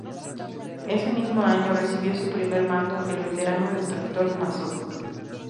Ese mismo año recibió su primer mando, el veterano destructor Matsu.